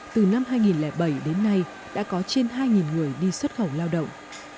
từ năm hai nghìn bảy đến nay đã có trên hai người đi xuất khẩu lao động